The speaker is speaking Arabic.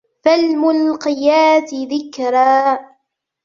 فالملقيات ذكرا